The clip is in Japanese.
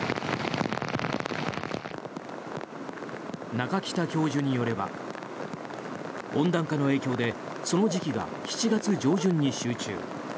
中北教授によれば温暖化の影響でその時期が７月上旬に集中。